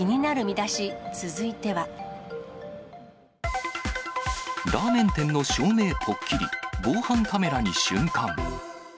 ラーメン店の照明ぽっきり、防犯カメラに瞬間。